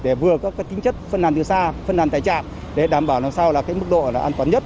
để vừa các tính chất phân làn từ xa phân làn tại trạm để đảm bảo làm sao là mức độ an toàn nhất